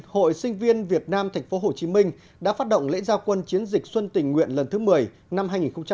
hội sinh viên việt nam tp hcm đã phát động lễ giao quân chiến dịch xuân tình nguyện lần thứ một mươi năm hai nghìn một mươi tám